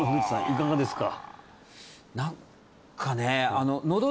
いかがですか？